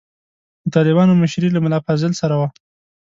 د طالبانو مشري له ملا فاضل سره وه.